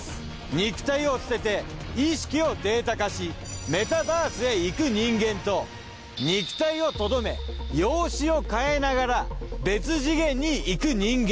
肉体を捨てて意識をデータ化しメタバースへいく人間と肉体を留め容姿を変えながら別次元にいく人間。